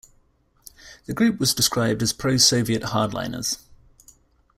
The group was described as pro-Soviet hardliners.